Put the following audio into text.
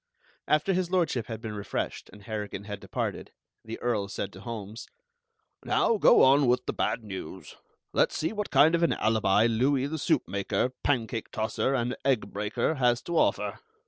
After His Lordship had been refreshed and Harrigan had departed, the Earl said to Holmes: "Now go on with the bad news. Let's see what kind of an alibi Louis the soup maker, pancake tosser, and egg breaker, has to offer."